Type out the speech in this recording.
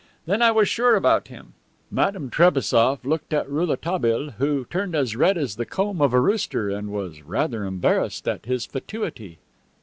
Then I was sure about him." Madame Trebassof looked at Rouletabille, who turned as red as the comb of a rooster and was rather embarrassed at his fatuity.